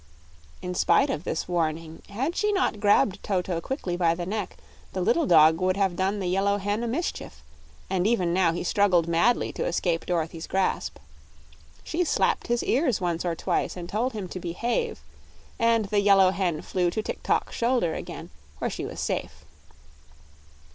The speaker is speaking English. In spite of this warning had she not grabbed Toto quickly by the neck the little dog would have done the yellow hen a mischief, and even now he struggled madly to escape Dorothy's grasp. She slapped his ears once or twice and told him to behave, and the yellow hen flew to Tik tok's shoulder again, where she was safe.